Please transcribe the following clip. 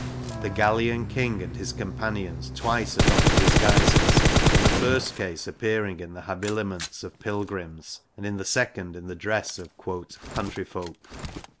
The Gallian King and his companions twice adopt disguises, in the first case appearing in the habiliments of pilgrims, and in the second in the dress of * country folk.'